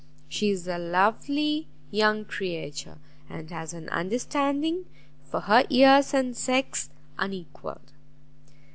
She is a lovely young creature, and has an understanding, for her years and sex, unequalled."